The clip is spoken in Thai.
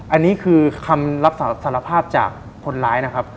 อันนี้คือคำรับสารภาพจากคนร้ายนะครับ